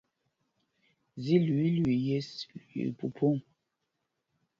Zí lüǐi lüii yes, lüii phúphōŋ.